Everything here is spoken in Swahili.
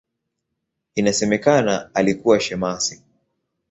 Inasemekana alikuwa shemasi.